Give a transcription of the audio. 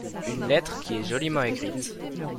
Une lettre qui est joliment écrite.